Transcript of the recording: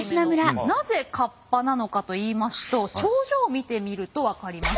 なぜカッパなのかといいますと頂上見てみると分かります。